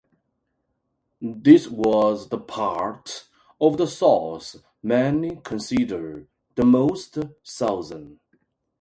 This was the part of the South many considered the "most Southern".